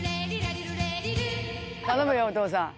頼むよお父さん。